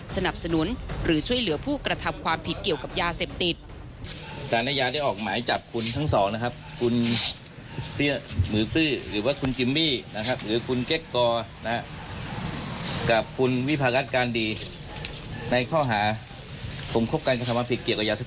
สนับสนุนหรือช่วยเหลือผู้กระทำความผิดเกี่ยวกับยาเสพติด